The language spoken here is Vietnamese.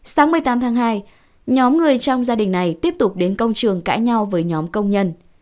sáng một mươi tám tháng hai nhóm người trong gia đình này tiếp tục đến công trường cãi nhau với nhóm công nhân